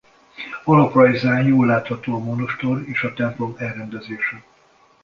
Alaprajzán jól látható a monostor és a templom elrendezése.